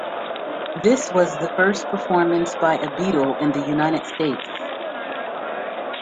This was the first performance by a Beatle in the United States.